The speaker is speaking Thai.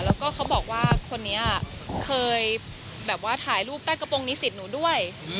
แล้วก็เขาบอกว่าคนนี้เคยแบบว่าถ่ายรูปใต้กระโปรงนิสิตหนูด้วย